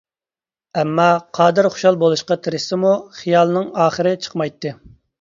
ئەمما، قادىر خۇشال بولۇشقا تىرىشسىمۇ خىيالىنىڭ ئاخىرى چىقمايتتى.